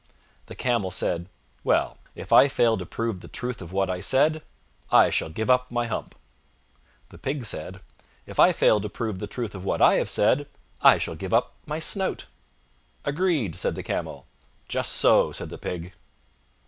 The Camel said, "Well, if I fail to prove the truth of what I said. I shall give up my hump." The Pig said, "If I fail to prove the truth of what I have said, I shall give up my snout." "Agreed!" said the Camel. "Just so!" said the Pig.